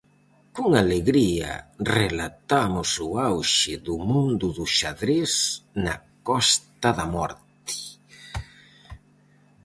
Con alegría relatamos o auxe do mundo do xadrez na Costa da Morte.